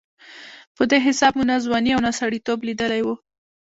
په دې حساب مو نه ځواني او نه سړېتوب لېدلې وه.